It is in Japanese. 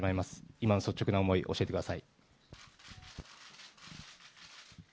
今の率直な思い、教えてください。